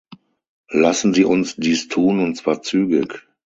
Lassen Sie uns dies tun und zwar zügig.